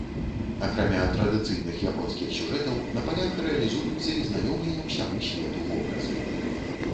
Акрамя традыцыйных японскіх сюжэтаў на палях рэалізуюцца і знаёмыя ўсяму свету вобразы.